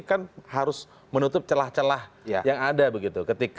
kan harus menutup celah celah yang ada begitu